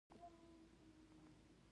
راکټ د ستورو منځ ته لاره خلاصه کړه